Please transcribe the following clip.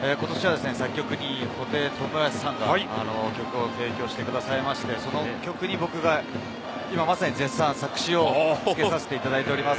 作曲に布袋寅泰さんが曲を提供してくださいまして、その曲に僕が作詞をつけさせていただいています。